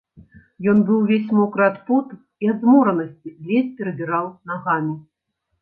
Ён быў увесь мокры ад поту і ад зморанасці ледзь перабіраў нагамі.